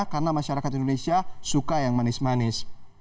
karena masyarakat indonesia suka yang manis manis